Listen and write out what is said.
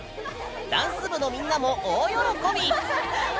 ダンス部のみんなも大喜び！